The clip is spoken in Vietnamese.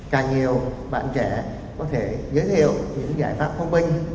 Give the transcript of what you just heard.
càng nhiều bạn trẻ có thể giới thiệu những giải pháp thông minh